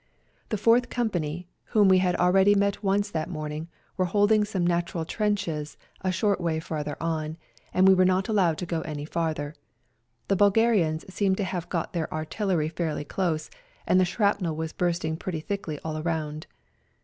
The Fourth Company, whom we had already met once that morning, were holding some natural trenches a short way farther on, and we were not allowed to go any farther. The Bulgarians seemed to have got their artil lery fairly close, and the shrapnel was bursting pretty thickly all round.